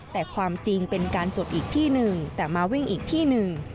แต่ความจริงเป็นการจดอีกที่หนึ่งแต่มาวิ่งอีกที่หนึ่ง